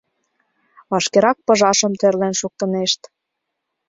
Вашкерак пыжашым тӧрлен шуктынешт.